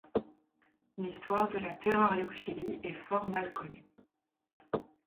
L'histoire de la terrariophilie est fort mal connue.